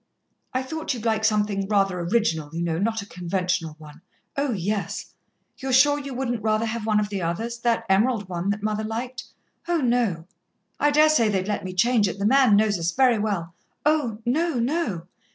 "I thought you'd like something rather original, you know, not a conventional one." "Oh, yes!" "You're sure you wouldn't rather have one of the others that emerald one that mother liked?" "Oh, no." "I dare say they'd let me change it, the man knows us very well." "Oh, no, no."